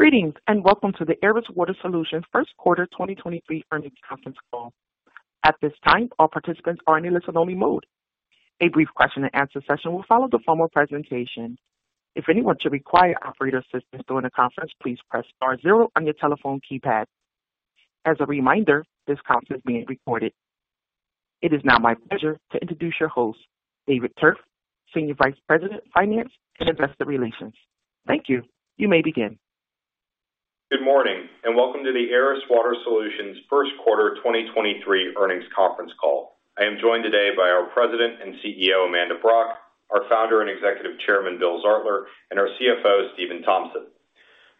Greetings, welcome to the Aris Water Solutions first quarter 2023 earnings conference call. At this time, all participants are in a listen-only mode. A brief question and answer session will follow the formal presentation. If anyone should require operator assistance during the conference, please press star zero on your telephone keypad. As a reminder, this conference is being recorded. It is now my pleasure to introduce your host, David Tuerff, Senior Vice President of Finance and Investor Relations. Thank you. You may begin. Good morning, and welcome to the Aris Water Solutions 1st quarter 2023 earnings conference call. I am joined today by our President and CEO, Amanda Brock, our Founder and Executive Chairman, Bill Zartler, and our CFO, Stephan Tompsett.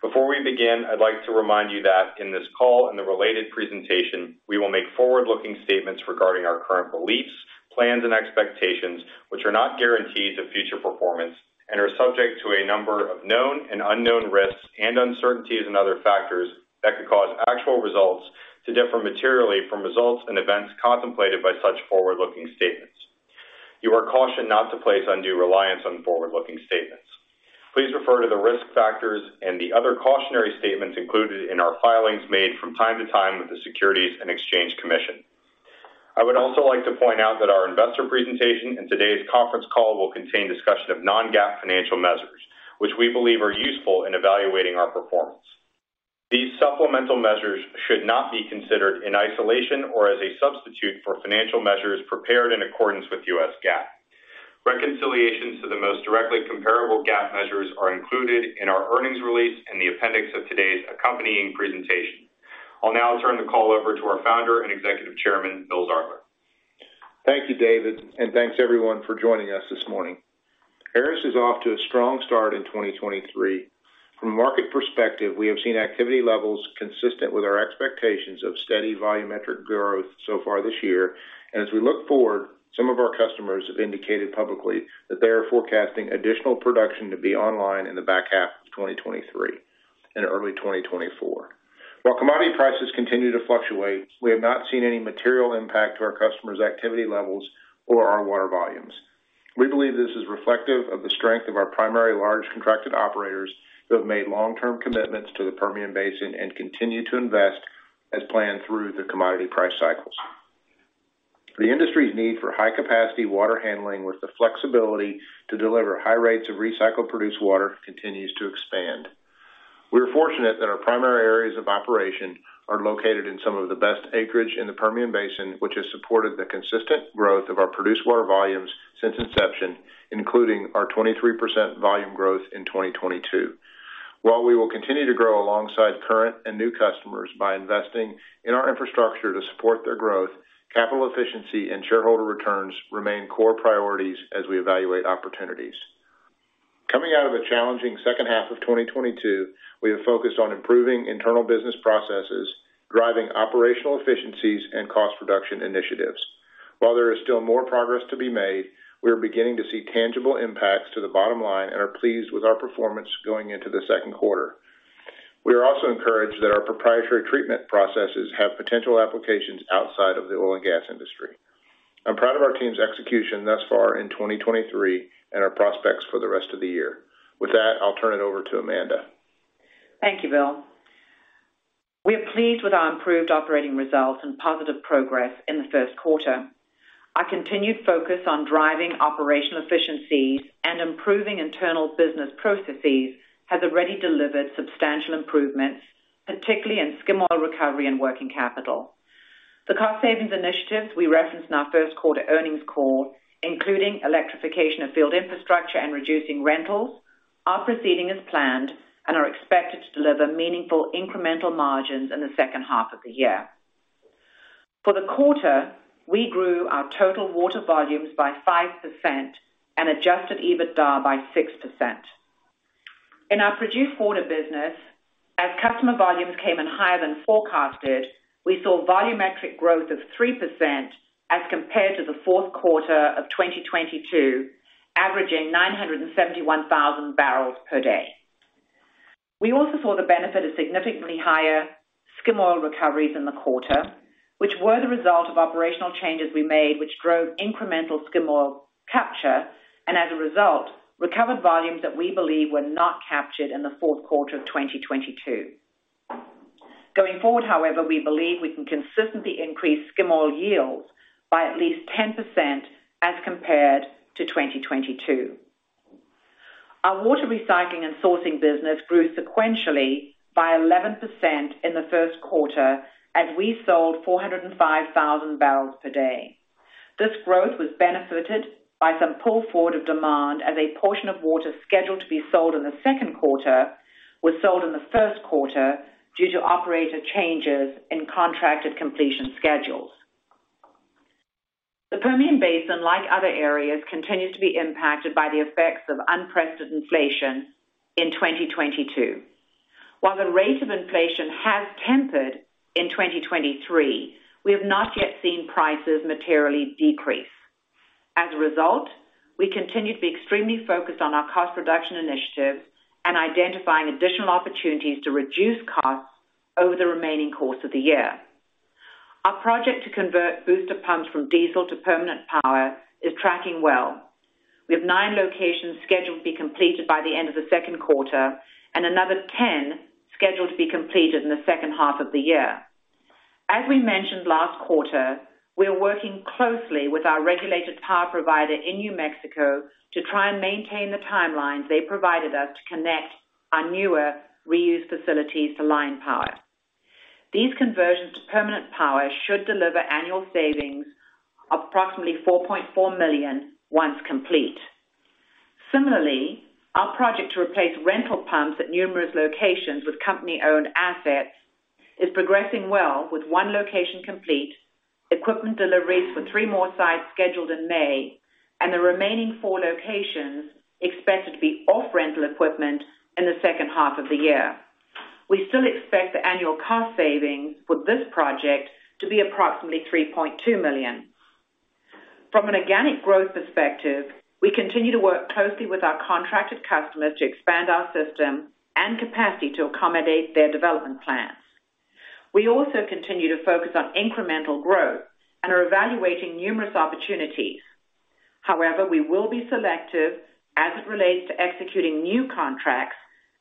Before we begin, I'd like to remind you that in this call and the related presentation, we will make forward-looking statements regarding our current beliefs, plans, and expectations, which are not guarantees of future performance and are subject to a number of known and unknown risks and uncertainties and other factors that could cause actual results to differ materially from results and events contemplated by such forward-looking statements. You are cautioned not to place undue reliance on forward-looking statements. Please refer to the risk factors and the other cautionary statements included in our filings made from time to time with the Securities and Exchange Commission. I would also like to point out that our investor presentation and today's conference call will contain discussion of non-GAAP financial measures, which we believe are useful in evaluating our performance. These supplemental measures should not be considered in isolation or as a substitute for financial measures prepared in accordance with US GAAP. Reconciliations to the most directly comparable GAAP measures are included in our earnings release in the appendix of today's accompanying presentation. I'll now turn the call over to our Founder and Executive Chairman, Bill Zartler. Thank you, David, and thanks everyone for joining us this morning. Aris is off to a strong start in 2023. From a market perspective, we have seen activity levels consistent with our expectations of steady volumetric growth so far this year. As we look forward, some of our customers have indicated publicly that they are forecasting additional production to be online in the back half of 2023 and early 2024. While commodity prices continue to fluctuate, we have not seen any material impact to our customers' activity levels or our water volumes. We believe this is reflective of the strength of our primary large contracted operators who have made long-term commitments to the Permian Basin and continue to invest as planned through the commodity price cycles. The industry's need for high-capacity water handling with the flexibility to deliver high rates of recycled produced water continues to expand. We are fortunate that our primary areas of operation are located in some of the best acreage in the Permian Basin, which has supported the consistent growth of our produced water volumes since inception, including our 23% volume growth in 2022. While we will continue to grow alongside current and new customers by investing in our infrastructure to support their growth, capital efficiency and shareholder returns remain core priorities as we evaluate opportunities. Coming out of a challenging second half of 2022, we have focused on improving internal business processes, driving operational efficiencies, and cost reduction initiatives. While there is still more progress to be made, we are beginning to see tangible impacts to the bottom line and are pleased with our performance going into the second quarter. We are also encouraged that our proprietary treatment processes have potential applications outside of the oil and gas industry. I'm proud of our team's execution thus far in 2023 and our prospects for the rest of the year. With that, I'll turn it over to Amanda. Thank you, Bill. We are pleased with our improved operating results and positive progress in the first quarter. Our continued focus on driving operational efficiencies and improving internal business processes has already delivered substantial improvements, particularly in skim oil recovery and working capital. The cost savings initiatives we referenced in our first quarter earnings call, including electrification of field infrastructure and reducing rentals, are proceeding as planned and are expected to deliver meaningful incremental margins in the second half of the year. For the quarter, we grew our total water volumes by 5% and adjusted EBITDA by 6%. In our produced water business, as customer volumes came in higher than forecasted, we saw volumetric growth of 3% as compared to the fourth quarter of 2022, averaging 971,000 barrels per day. We also saw the benefit of significantly higher skim oil recoveries in the quarter, which were the result of operational changes we made, which drove incremental skim oil capture, and as a result, recovered volumes that we believe were not captured in the fourth quarter of 2022. Going forward, however, we believe we can consistently increase skim oil yields by at least 10% as compared to 2022. Our water recycling and sourcing business grew sequentially by 11% in the first quarter as we sold 405,000 barrels per day. This growth was benefited by some pull forward of demand as a portion of water scheduled to be sold in the second quarter was sold in the first quarter due to operator changes in contracted completion schedules. The Permian Basin, like other areas, continues to be impacted by the effects of unprecedented inflation in 2022. While the rate of inflation has tempered in 2023, we have not yet seen prices materially decrease. As a result, we continue to be extremely focused on our cost reduction initiatives and identifying additional opportunities to reduce costs over the remaining course of the year. Our project to convert booster pumps from diesel to permanent power is tracking well. We have nine locations scheduled to be completed by the end of the second quarter and another 10 scheduled to be completed in the second half of the year. As we mentioned last quarter, we are working closely with our regulated power provider in New Mexico to try and maintain the timelines they provided us to connect our newer reuse facilities to line power. These conversions to permanent power should deliver annual savings approximately $4.4 million once complete. Similarly, our project to replace rental pumps at numerous locations with company-owned assets is progressing well, with one location complete, equipment deliveries for three more sites scheduled in May, and the remaining four locations expected to be off rental equipment in the second half of the year. We still expect the annual cost savings for this project to be approximately $3.2 million. From an organic growth perspective, we continue to work closely with our contracted customers to expand our system and capacity to accommodate their development plans. We also continue to focus on incremental growth and are evaluating numerous opportunities. However, we will be selective as it relates to executing new contracts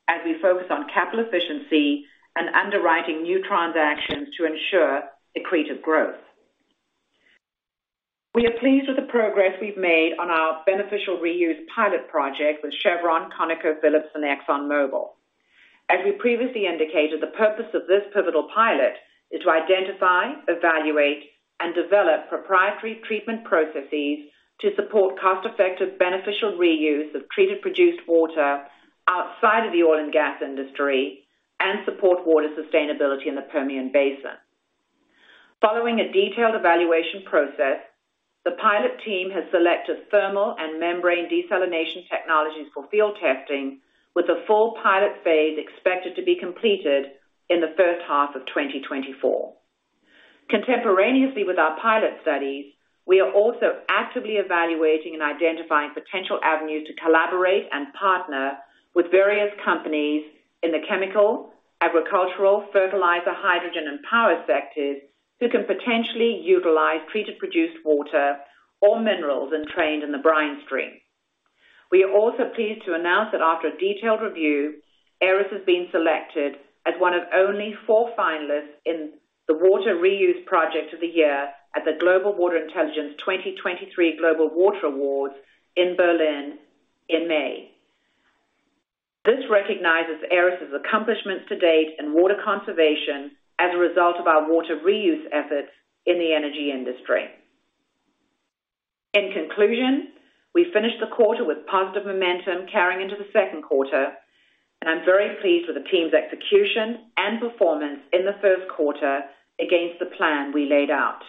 as we focus on capital efficiency and underwriting new transactions to ensure accretive growth. We are pleased with the progress we've made on our beneficial reuse pilot project with Chevron, ConocoPhillips and ExxonMobil. As we previously indicated, the purpose of this pivotal pilot is to identify, evaluate, and develop proprietary treatment processes to support cost-effective beneficial reuse of treated produced water outside of the oil and gas industry and support water sustainability in the Permian Basin. Following a detailed evaluation process, the pilot team has selected thermal and membrane desalination technologies for field testing, with the full pilot phase expected to be completed in the first half of 2024. Contemporaneously with our pilot studies, we are also actively evaluating and identifying potential avenues to collaborate and partner with various companies in the chemical, agricultural, fertilizer, hydrogen and power sectors who can potentially utilize treated produced water or minerals entrained in the brine stream. We are also pleased to announce that after a detailed review, Aris has been selected as one of only four finalists in the Water Reuse Project of the Year at the Global Water Intelligence 2023 Global Water Awards in Berlin in May. This recognizes Aris' accomplishments to date in water conservation as a result of our water reuse efforts in the energy industry. In conclusion, we finished the quarter with positive momentum carrying into the second quarter, and I'm very pleased with the team's execution and performance in the first quarter against the plan we laid out.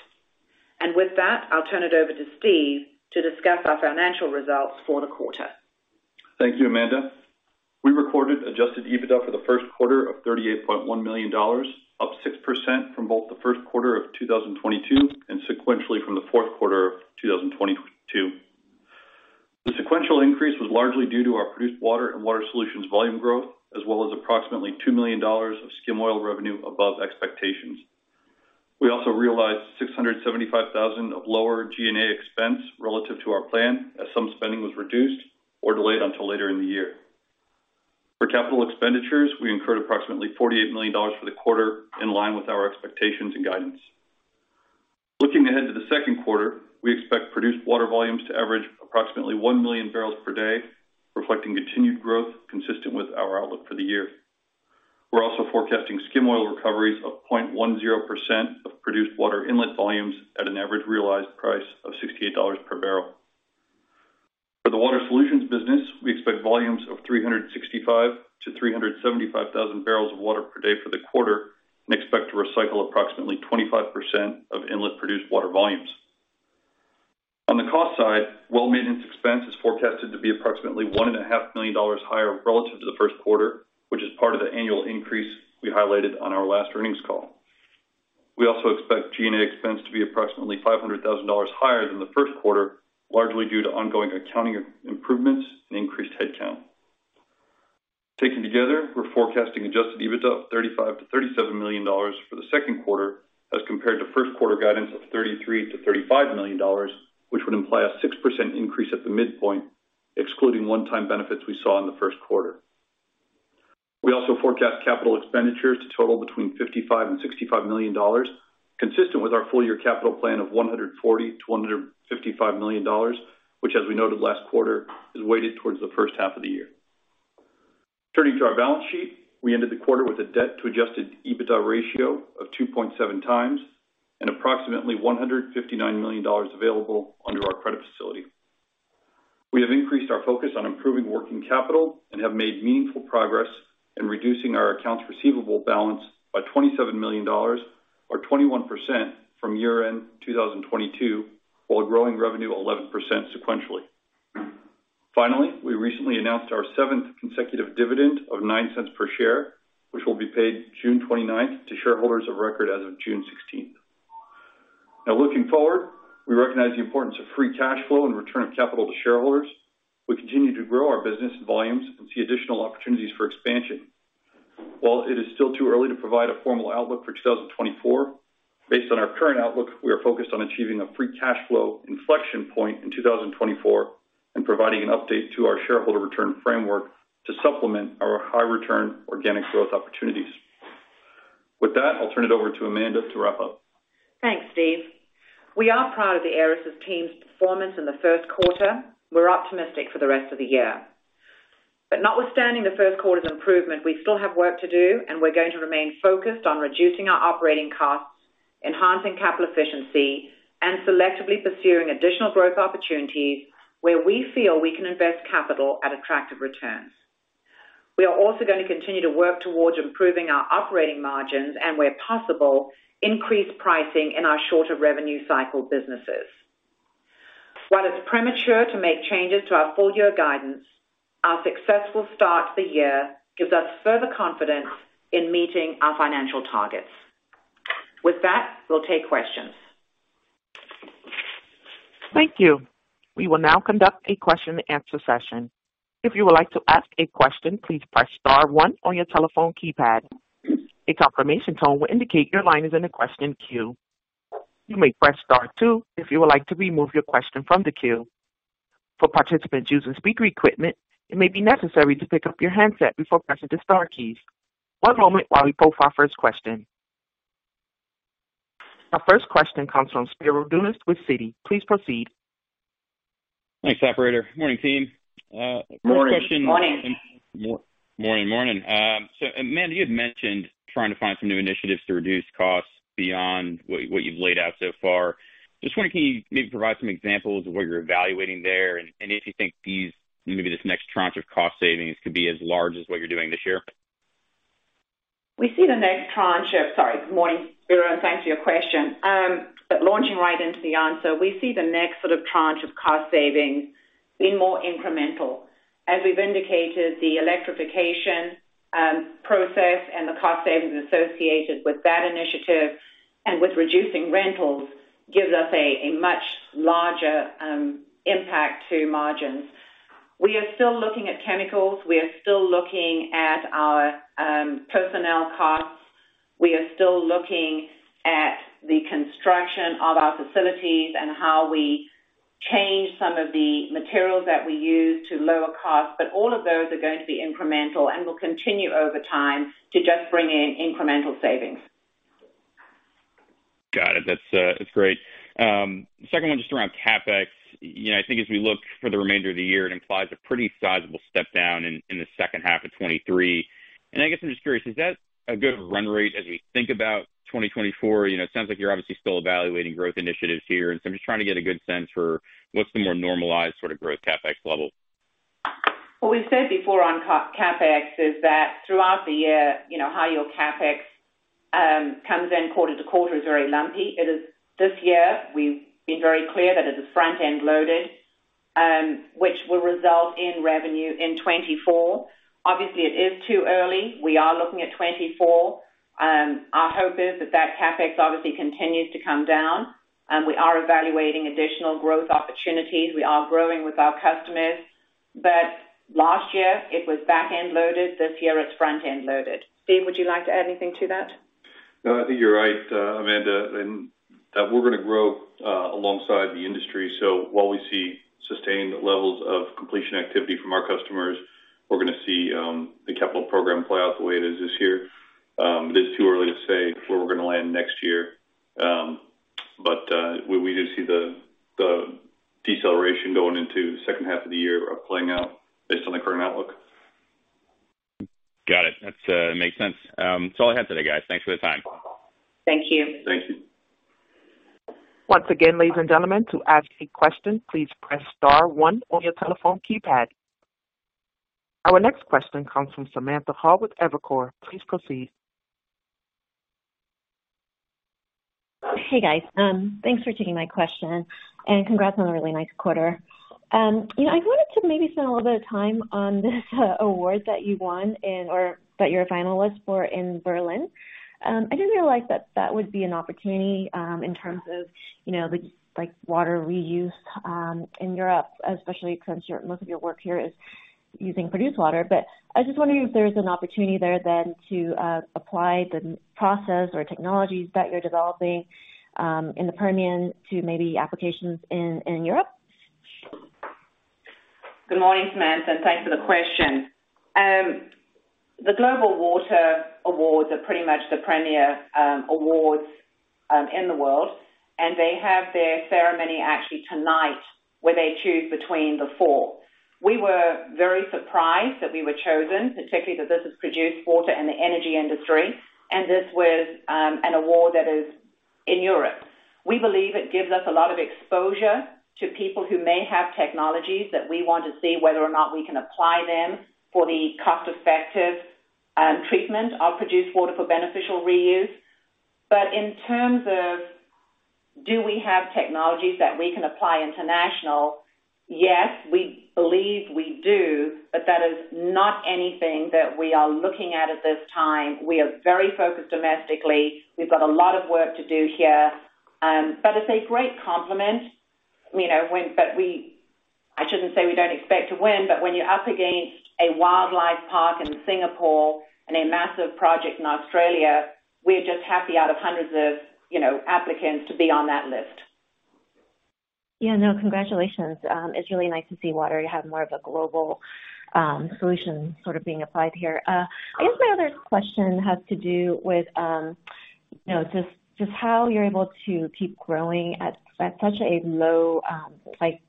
With that, I'll turn it over to Steve to discuss our financial results for the quarter. Thank you, Amanda. We recorded adjusted EBITDA for the first quarter of $38.1 million, up 6% from both the first quarter of 2022 and sequentially from the fourth quarter of 2022. The sequential increase was largely due to our produced water and water solutions volume growth, as well as approximately $2 million of skim oil revenue above expectations. We also realized $675,000 of lower G&A expense relative to our plan as some spending was reduced or delayed until later in the year. For capital expenditures, we incurred approximately $48 million for the quarter in line with our expectations and guidance. Looking ahead to the second quarter, we expect produced water volumes to average approximately 1 million barrels per day, reflecting continued growth consistent with our outlook for the year. We're also forecasting skim oil recoveries of 0.1% of produced water inlet volumes at an average realized price of $68 per barrel. For the water solutions business, we expect volumes of 365,000-375,000 barrels of water per day for the quarter and expect to recycle approximately 25% of inlet produced water volumes. On the cost side, well maintenance expense is forecasted to be approximately $1.5 million higher relative to the first quarter, which is part of the annual increase we highlighted on our last earnings call. We also expect G&A expense to be approximately $500,000 higher than the first quarter, largely due to ongoing accounting improvements and increased headcount. Taken together, we're forecasting adjusted EBITDA of $35 million-$37 million for the 2Q as compared to 1Q guidance of $33 million-$35 million, which would imply a 6% increase at the midpoint, excluding one-time benefits we saw in the 1Q. We also forecast capital expenditures to total between $55 million and $65 million, consistent with our full-year capital plan of $140 million-$155 million, which, as we noted last quarter, is weighted towards the first half of the year. Turning to our balance sheet, we ended the quarter with a debt to adjusted EBITDA ratio of 2.7 times and approximately $159 million available under our credit facility. We have increased our focus on improving working capital and have made meaningful progress in reducing our accounts receivable balance by $27 million or 21% from year-end 2022, while growing revenue 11% sequentially. We recently announced our seventh consecutive dividend of $0.09 per share, which will be paid June 29th to shareholders of record as of 16th June. Looking forward, we recognize the importance of free cash flow and return of capital to shareholders. We continue to grow our business volumes and see additional opportunities for expansion. While it is still too early to provide a formal outlook for 2024, based on our current outlook, we are focused on achieving a free cash flow inflection point in 2024 and providing an update to our shareholder return framework to supplement our high return organic growth opportunities. With that, I'll turn it over to Amanda to wrap up. Thanks, Steve. We are proud of the Aris' team's performance in the first quarter. We're optimistic for the rest of the year. Notwithstanding the first quarter's improvement, we still have work to do, and we're going to remain focused on reducing our operating costs, enhancing capital efficiency, and selectively pursuing additional growth opportunities where we feel we can invest capital at attractive returns. We are also gonna continue to work towards improving our operating margins and where possible, increase pricing in our shorter revenue cycle businesses. While it's premature to make changes to our full-year guidance, our successful start to the year gives us further confidence in meeting our financial targets. With that, we'll take questions. Thank you. We will now conduct a question-and-answer session. If you would like to ask a question, please press star one on your telephone keypad. A confirmation tone will indicate your line is in the question queue. You may press star two if you would like to remove your question from the queue. For participants using speaker equipment, it may be necessary to pick up your handset before pressing the star keys. One moment while we pull for our first question. Our first question comes from Spiro Dounis with Citi. Please proceed. Thanks, operator. Morning team. Morning. A question Morning. Morning, morning. Amanda, you had mentioned trying to find some new initiatives to reduce costs beyond what you've laid out so far. Just wondering, can you maybe provide some examples of what you're evaluating there? If you think this next tranche of cost savings could be as large as what you're doing this year? Sorry, good morning, Spiro, thanks for your question. Launching right into the answer. We see the next sort of tranche of cost savings being more incremental. As we've indicated, the electrification process and the cost savings associated with that initiative and with reducing rentals gives us a much larger impact to margins. We are still looking at chemicals. We are still looking at our personnel costs. We are still looking at the construction of our facilities and how we change some of the materials that we use to lower costs. All of those are going to be incremental and will continue over time to just bring in incremental savings. Got it. That's, that's great. Second one just around CapEx. You know, I think as we look for the remainder of the year, it implies a pretty sizable step down in the second half of 2023. I guess I'm just curious, is that a good run rate as we think about 2024? You know, it sounds like you're obviously still evaluating growth initiatives here, and so I'm just trying to get a good sense for what's the more normalized sort of growth CapEx level. What we've said before on CapEx is that throughout the year, you know, how your CapEx comes in quarter to quarter is very lumpy. It is this year, we've been very clear that it is front-end loaded, which will result in revenue in 2024. Obviously, it is too early. We are looking at 2024. Our hope is that that CapEx obviously continues to come down. We are evaluating additional growth opportunities. We are growing with our customers. Last year it was back-end loaded. This year it's front-end loaded. Steve, would you like to add anything to that? No, I think you're right, Amanda. We're gonna grow alongside the industry. While we see sustained levels of completion activity from our customers, we're gonna see the capital program play out the way it is this year. It is too early to say where we're gonna land next year. We, we do see the deceleration going into second half of the year, playing out based on the current outlook. Got it. That's makes sense. That's all I had today, guys. Thanks for the time. Thank you. Thank you. Once again, ladies and gentlemen, to ask a question, please press star one on your telephone keypad. Our next question comes from Samantha Hoh with Evercore. Please proceed. Hey, guys. Thanks for taking my question, congrats on a really nice quarter. You know, I wanted to maybe spend a little bit of time on this award that you won in or that you're a finalist for in Berlin. I didn't realize that that would be an opportunity, in terms of, you know, the like, water reuse, in Europe, especially since most of your work here is using produced water. I was just wondering if there's an opportunity there then to apply the process or technologies that you're developing, in the Permian to maybe applications in Europe? Good morning, Samantha, and thanks for the question. The Global Water Awards are pretty much the premier awards in the world, and they have their ceremony actually tonight where they choose between the four. We were very surprised that we were chosen, particularly that this is produced water in the energy industry, and this was an award that is in Europe. We believe it gives us a lot of exposure to people who may have technologies that we want to see whether or not we can apply them for the cost-effective treatment of produced water for beneficial reuse. In terms of do we have technologies that we can apply international? Yes, we believe we do. That is not anything that we are looking at at this time. We are very focused domestically. We've got a lot of work to do here. It's a great compliment, you know, when you're up against a wildlife park in Singapore and a massive project in Australia, we're just happy out of hundreds of, you know, applicants to be on that list. Yeah. No, congratulations. It's really nice to see water have more of a global solution sort of being applied here. I guess my other question has to do with, you know, just how you're able to keep growing at such a low, like,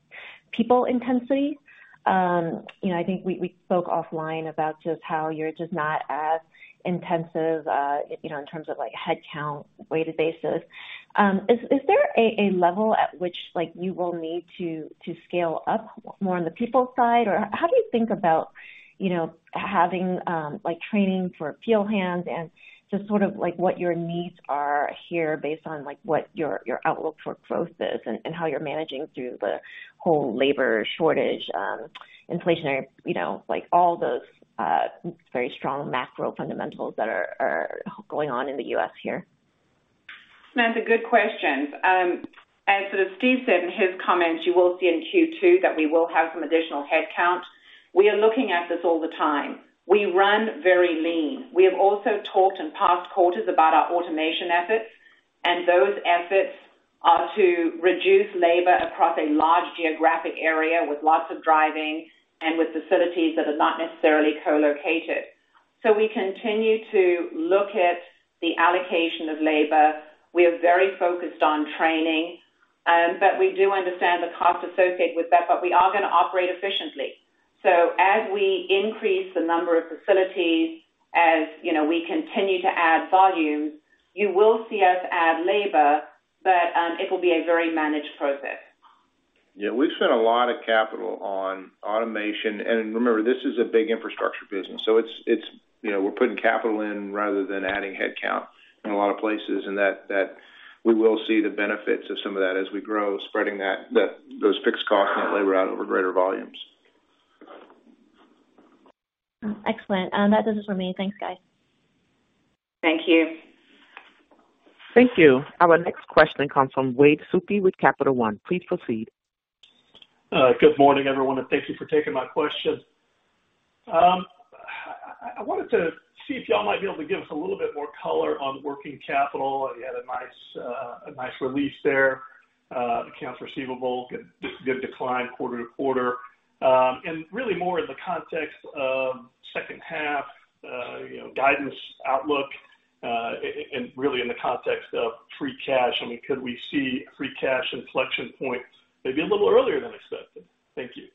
people intensity. You know, I think we spoke offline about just how you're just not as intensive, you know, in terms of, like, headcount weighted basis. Is there a level at which, like, you will need to scale up more on the people side? How do you think about, you know, having, like, training for field hands and just sort of like what your needs are here based on, like, what your outlook for growth is and how you're managing through the whole labor shortage, inflationary, you know, like all those, very strong macro fundamentals that are going on in the U.S. here? Samantha, good questions. As sort of Steve said in his comments, you will see in Q2 that we will have some additional headcount. We are looking at this all the time. We run very lean. We have also talked in past quarters about our automation efforts, those efforts are to reduce labor across a large geographic area with lots of driving and with facilities that are not necessarily co-located. We continue to look at the allocation of labor. We are very focused on training, we do understand the cost associated with that, we are gonna operate efficiently. As we increase the number of facilities, as, you know, we continue to add volumes, you will see us add labor, it will be a very managed process. Yeah. We've spent a lot of capital on automation. Remember, this is a big infrastructure business, so it's, you know, we're putting capital in rather than adding headcount in a lot of places, and that we will see the benefits of some of that as we grow, spreading that, those fixed costs and that labor out over greater volumes. Excellent. That does it for me. Thanks, guys. Thank you. Thank you. Our next question comes from Wade Suki with Capital One. Please proceed. Good morning, everyone, thank you for taking my question. I wanted to see if y'all might be able to give us a little bit more color on working capital. You had a nice, a nice release there. Accounts receivable, good decline quarter to quarter. Really more in the context of second half, you know, guidance outlook, and really in the context of free cash. I mean, could we see free cash inflection point maybe a little earlier than expected? Thank you.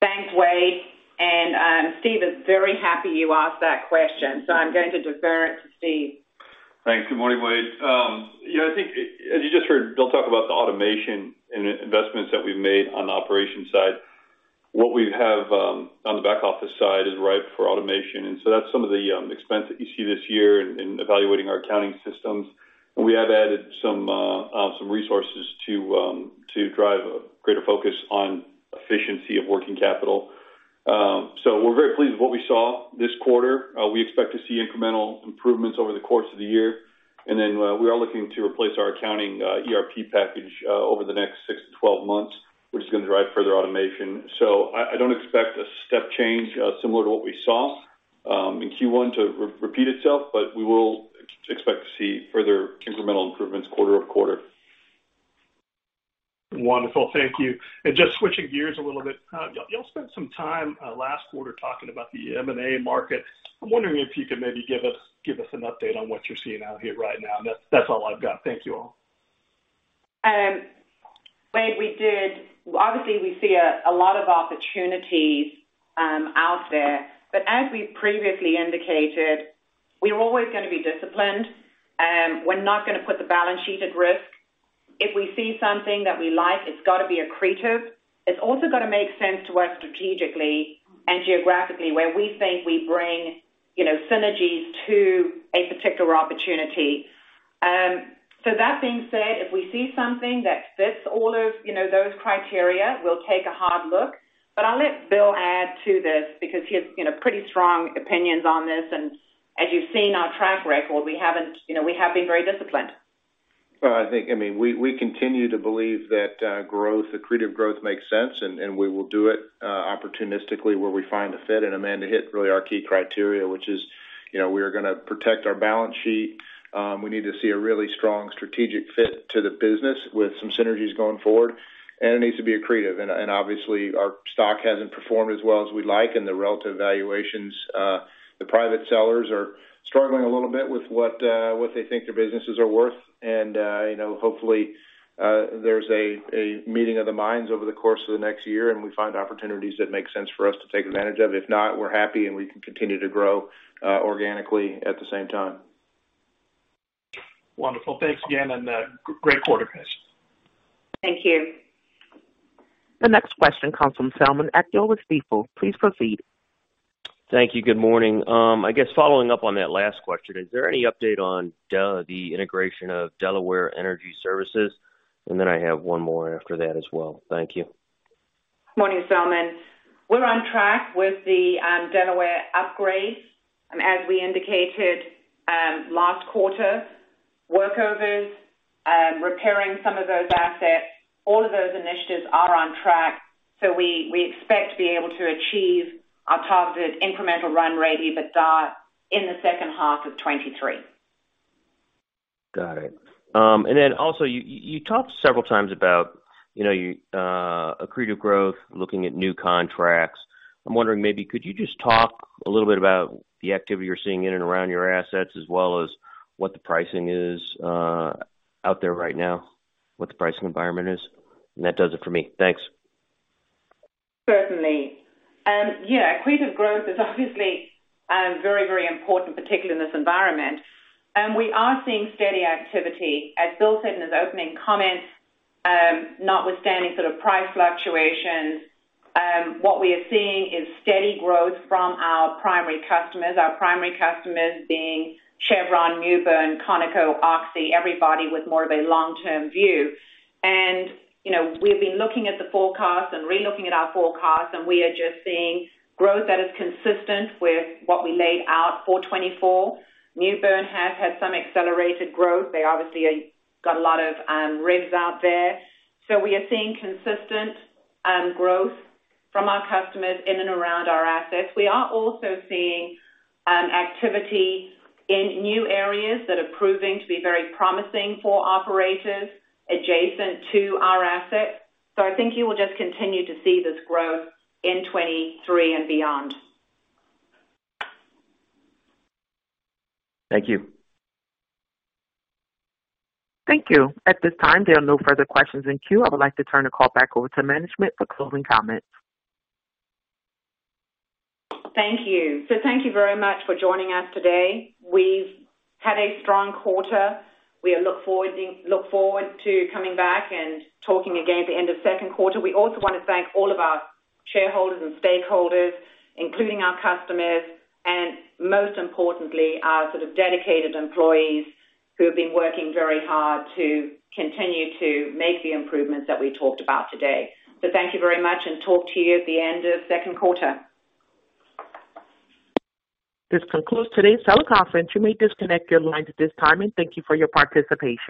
Thanks, Wade. Steve is very happy you asked that question, so I'm going to defer it to Steve. Thanks. Good morning, Wade. you know, I think as you just heard Bill talk about the automation investments that we've made on the operation side, what we have on the back office side is ripe for automation. That's some of the expense that you see this year in evaluating our accounting systems. We have added some resources to drive a greater focus on efficiency of working capital. We're very pleased with what we saw this quarter. We expect to see incremental improvements over the course of the year. We are looking to replace our accounting ERP package over the next six-12 months, which is gonna drive further automation. I don't expect a step change, similar to what we saw, in Q1 to repeat itself, but we will expect to see further incremental improvements quarter-over-quarter. Wonderful. Thank you. Just switching gears a little bit. y'all spent some time last quarter talking about the M&A market. I'm wondering if you could maybe give us an update on what you're seeing out here right now. That's all I've got. Thank you all. Wade, obviously, we see a lot of opportunities out there. As we've previously indicated, we're always gonna be disciplined. We're not gonna put the balance sheet at risk. If we see something that we like, it's gotta be accretive. It's also gotta make sense to work strategically and geographically where we think we bring, you know, synergies to a particular opportunity. That being said, if we see something that fits all of, you know, those criteria, we'll take a hard look. I'll let Bill add to this because he has, you know, pretty strong opinions on this. As you've seen our track record, we haven't, you know, we have been very disciplined. Well, I think, I mean, we continue to believe that growth, accretive growth makes sense, and we will do it opportunistically where we find a fit. Amanda hit really our key criteria, which is, you know, we are gonna protect our balance sheet. We need to see a really strong strategic fit to the business with some synergies going forward, and it needs to be accretive. Obviously, our stock hasn't performed as well as we'd like in the relative valuations. The private sellers are struggling a little bit with what they think their businesses are worth. You know, hopefully, there's a meeting of the minds over the course of the next year, and we find opportunities that make sense for us to take advantage of. If not, we're happy, and we can continue to grow, organically at the same time. Wonderful. Thanks again. Great quarter, guys. Thank you. The next question comes from Selman Akyol with Stifel. Please proceed. Thank you. Good morning. I guess following up on that last question, is there any update on the integration of Delaware Energy Services? I have one more after that as well. Thank you. Morning, Selman. We're on track with the Delaware upgrade. As we indicated, last quarter Workovers, repairing some of those assets, all of those initiatives are on track. We expect to be able to achieve our targeted incremental run rate EBITDA in the second half of 23. Got it. Also, you talked several times about, you know, accretive growth, looking at new contracts. I'm wondering maybe could you just talk a little bit about the activity you're seeing in and around your assets as well as what the pricing is, out there right now, what the pricing environment is? That does it for me. Thanks. Certainly. Yeah, accretive growth is obviously very, very important, particularly in this environment. We are seeing steady activity. As Bill said in his opening comments, notwithstanding sort of price fluctuations, what we are seeing is steady growth from our primary customers, our primary customers being Chevron, Mewbourne, Conoco, Oxy, everybody with more of a long-term view. You know, we've been looking at the forecast and relooking at our forecast, and we are just seeing growth that is consistent with what we laid out for 2024. Mewbourne has had some accelerated growth. They obviously got a lot of rigs out there. We are seeing consistent growth from our customers in and around our assets. We are also seeing activity in new areas that are proving to be very promising for operators adjacent to our assets. I think you will just continue to see this growth in 23 and beyond. Thank you. Thank you. At this time, there are no further questions in queue. I would like to turn the call back over to management for closing comments. Thank you. Thank you very much for joining us today. We've had a strong quarter. We look forward to coming back and talking again at the end of second quarter. We also wanna thank all of our shareholders and stakeholders, including our customers, and most importantly, our sort of dedicated employees who have been working very hard to continue to make the improvements that we talked about today. Thank you very much and talk to you at the end of second quarter. This concludes today's teleconference. You may disconnect your lines at this time. Thank you for your participation.